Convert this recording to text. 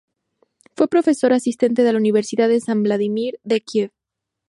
Fue profesor asistente de la Universidad de San Vladimir, de Kiev.